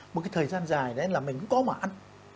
một cái thời gian dài đấy là mình cũng có mà ăn